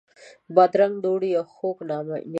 بادرنګ د اوړي یو خوږ نعمت دی.